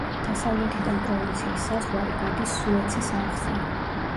დასავლეთიდან პროვინციის საზღვარი გადის სუეცის არხზე.